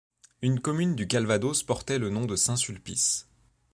Une commune du Calvados portait le nom de Saint-Sulpice.